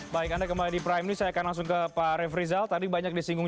baik anda kembali di prime news saya akan langsung ke pak refrizal tadi banyak disinggung